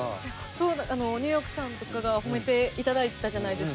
そうニューヨークさんとかが褒めて頂いたじゃないですか。